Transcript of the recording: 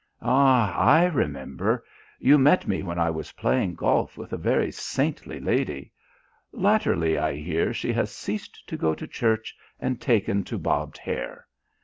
"Ah, I remember. You met me when I was playing golf with a very saintly lady. Latterly, I hear, she has ceased to go to church and taken to bobbed hair.